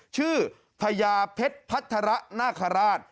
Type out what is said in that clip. พญาเพชรพัฒระนาคาราช